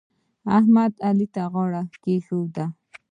احمد؛ علي ته غاړه ايښې ده.